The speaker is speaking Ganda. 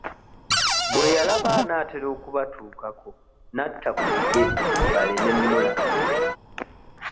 Bwe yalaba anaatera okubatuukako n'atta ku bigere baleme mmulaba.